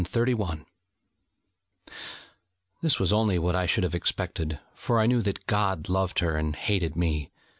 This was only what I should have expected: for I knew that God loved her, and hated me.